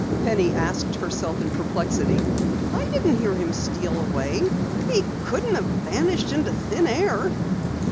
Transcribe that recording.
Penny asked herself in perplexity. "I didn't hear him steal away. He couldn't have vanished into thin air!